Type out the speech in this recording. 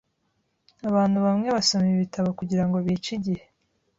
Abantu bamwe basoma ibitabo kugirango bice igihe.